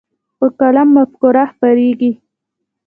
په قلم مفکوره خپرېږي.